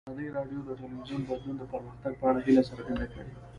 ازادي راډیو د ټولنیز بدلون د پرمختګ په اړه هیله څرګنده کړې.